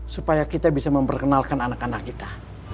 supaya kita bisa memperkenalkan anak anak kita